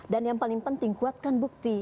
dan yang paling penting kuatkan bukti